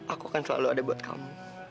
aku kan selalu ada buat kamu